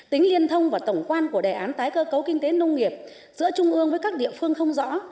tính liên thông và tổng quan của đề án tái cơ cấu kinh tế nông nghiệp giữa trung ương với các địa phương không rõ